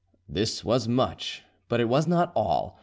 This was much, but it was not all.